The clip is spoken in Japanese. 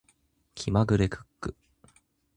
気まぐれクック